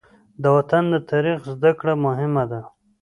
د وطن د تاریخ زده کړه مهمه ده.